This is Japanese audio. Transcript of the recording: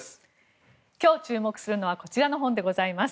今日注目するのはこちらの本でございます。